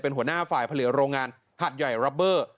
หัวหน้าฝ่ายผลิตโรงงานหัดใหญ่รัปเบอร์